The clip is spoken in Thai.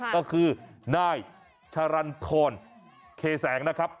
ก็คือนายชะรันทรเคแสงนะครับ